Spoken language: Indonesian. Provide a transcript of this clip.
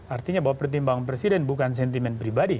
artinya bahwa pertimbangan presiden bukan sentimen pribadi